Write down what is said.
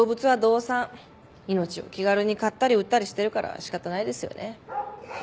命を気軽に買ったり売ったりしてるから仕方ないですよね。